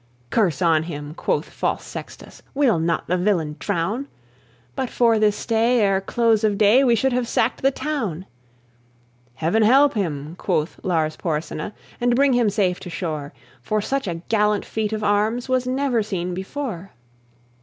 "Curse on him!" quoth false Sextus; "Will not the villain drown? But for this stay, ere close of day We should have sacked the town!" "Heaven help him!" quoth Lars Porsena, "And bring him safe to shore; For such a gallant feat of arms Was never seen before."